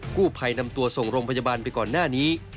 ผู้ภัยนำตัวส่งโรงพยาบาลไปก่อนหน้านี้